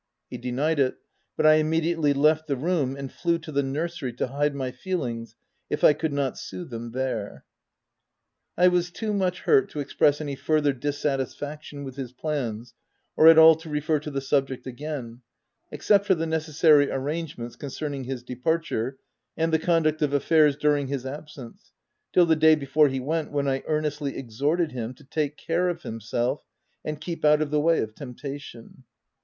He denied it; but I immediately left the room, and flew to the nursery to hide my feel ings, if I could not sooth them, there. I was too much hurt to express any further dissatisfaction with his plans, or at all to refer to the subject again, except for the necessary arrangements concerning his departure and the conduct of affairs during his absence, — till the day before he went, when I earnestly exhorted him to take care of himself and keep out of the way of temptation.